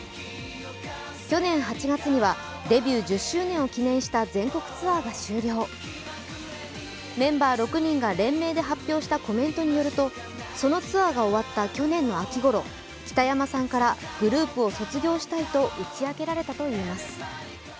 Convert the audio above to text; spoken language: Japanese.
去年８月にはデビュー１０周年を記念した全国ツアーが終了、メンバー６人が連名で発表したコメントによるとそのツアーが終わった去年の秋ごろ、北山さんからグループを卒業したいと打ち明けられたといいます。